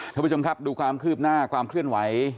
ท่านผู้ชมครับดูความคืบหน้าความเคลื่อนไหว